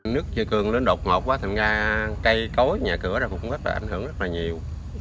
nước triều cường lớn đột ngột quá thậm chí cây cối nhà cửa cũng rất là ảnh hưởng rất là nhiều